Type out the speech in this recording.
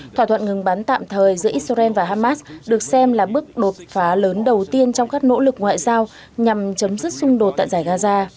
thỏa thuận ngừng bắn tạm thời giữa israel và hamas được xem là bước đột phá lớn đầu tiên trong các nỗ lực ngoại giao nhằm chấm dứt xung đột tại giải gaza